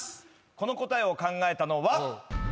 この答えを考えたのは。